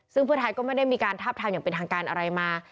ซึ่งเพื่อไทยก็ไม่ได้มีการทาบทามอย่างเป็นทางการอะไรมา